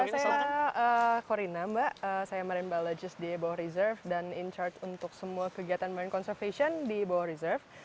saya korina mbak saya marinembal leges di bawah reserve dan in charge untuk semua kegiatan marine conservation di bawah reserve